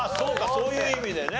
そういう意味でね。